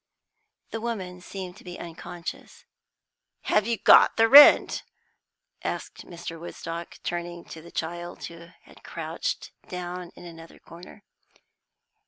The woman seemed to be unconscious. "Have you got the rent?" asked Mr. Woodstock, turning to the child, who had crouched down in another corner.